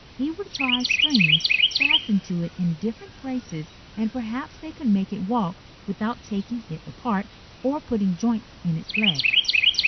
He would try strings fastened to it in different places and perhaps they could make it walk without taking it apart or putting joints in its legs.